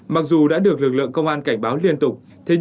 mặc dù đã được lực lượng công an cảnh báo liên tục